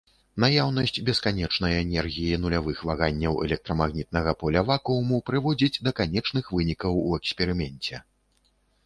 Наяўнасць бесканечнай энергіі нулявых ваганняў электрамагнітнага поля вакууму прыводзіць да канечных вынікаў у эксперыменце.